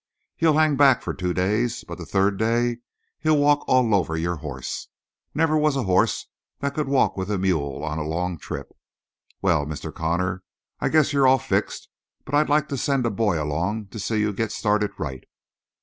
He'll hang back for two days, but the third day he'll walk all over your hoss; never was a hoss that could walk with a mule on a long trip. Well, Mr. Connor, I guess you're all fixed, but I'd like to send a boy along to see you get started right."